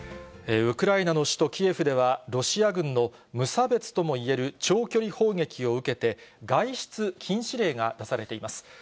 ウクライナの首都キエフでは、ロシア軍の無差別ともいえる長距離砲撃を受けて、外出禁止令が出されています。